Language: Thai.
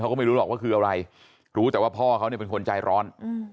ก็ไม่รู้หรอกว่าคืออะไรรู้แต่ว่าพ่อเขาเนี่ยเป็นคนใจร้อน